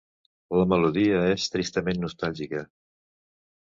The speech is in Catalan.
La melodia és tristament nostàlgica.